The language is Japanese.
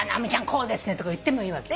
こうですね」とか言ってもいいわけ。